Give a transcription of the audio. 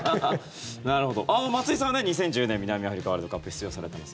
松井さんは２０１０年南アフリカワールドカップ出場されてます。